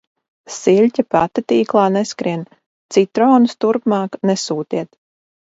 Siļķe pati tīklā neskrien. Citronus turpmāk nesūtiet.